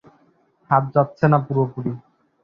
হাত যাচ্ছে না পুরোপুরি।